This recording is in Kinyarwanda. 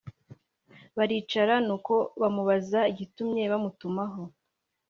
baricara nuko bamubaza igitumye abatumaho